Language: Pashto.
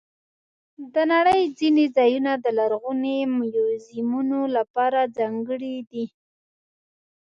د نړۍ ځینې ځایونه د لرغوني میوزیمونو لپاره ځانګړي دي.